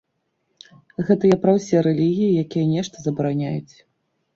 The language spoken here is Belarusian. Гэта я пра ўсе рэлігіі, якія нешта забараняюць.